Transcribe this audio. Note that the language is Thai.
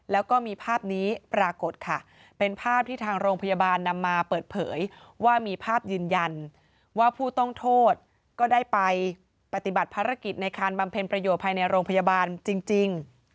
แล้วก็มีภาพนี้ปรากฏค่ะเป็นภาพที่ทางโรงพยาบาลนำมาเปิดเผยว่ามีภาพยืนยันว่าผู้ต้องโทษก็ได้ไปปฏิบัติภารกิจในการบำเพ็ญประโยชน์ภายในโรงพยาบาลจริง